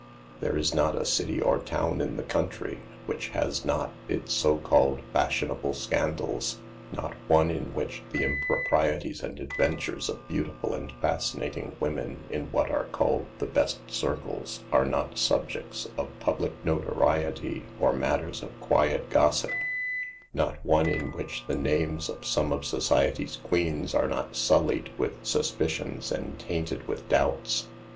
There is not a city or town in the country which has not its so called " fashionable scan dals ;" not one in which the improprieties and adventures of beautiful and fascinating women in what are called the "best circles/' are not subjects of public notoriety or matters of quiet gossip ; not one in which the names of some of society's queens are not sullied with sus picions and tainted with doubts.